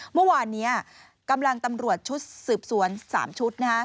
เมื่อวานนี้กำลังตำรวจชุดสืบสวน๓ชุด